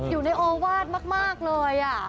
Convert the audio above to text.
อยู่ในอ้อวาดมากเลย